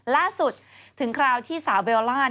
ล่าสุดถึงคราวที่สาวเบลล่า